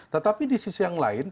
tetapi di sisi yang lain